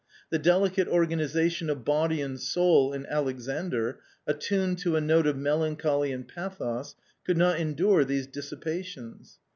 The delicate organisation of body and soul in Alexandr, attuned to a note of melancholy and pathos, could not endure these dissipations.